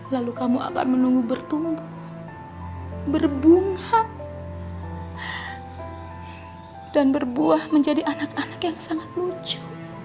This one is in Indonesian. lalu kamu akan menunggu bertumbuh berbungak dan berbuah menjadi anak anak yang sangat lucu